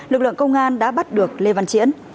lực lượng công an đã bắt được lê văn chiến